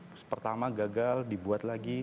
jadi pertama gagal dibuat lagi